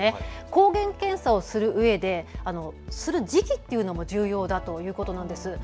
抗原検査するうえでする時期というのも大事だということです。